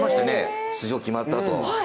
出場決まったと。